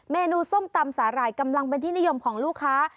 เมนูส้มตำสาหร่ายกำลังเป็นที่นิยมของลูกค้า